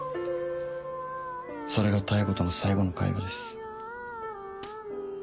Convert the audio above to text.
それが妙子との最後の会話です。